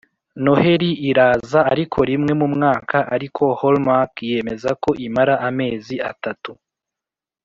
noheri iraza ariko rimwe mu mwaka, ariko hallmark yemeza ko imara amezi atatu